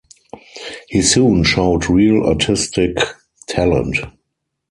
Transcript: He soon showed real artistic talent.